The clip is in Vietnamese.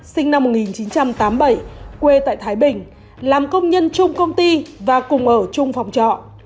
sinh năm một nghìn chín trăm tám mươi bảy quê tại thái bình làm công nhân chung công ty và cùng ở chung phòng trọ